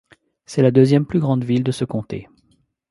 C'est la deuxième plus grande ville de ce comté.